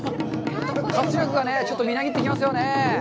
活力がみなぎってきますよね。